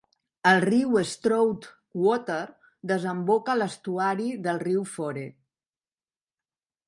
El riu Stroudwater desemboca a l'estuari del riu Fore.